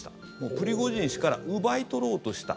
プリゴジン氏から奪い取ろうとした。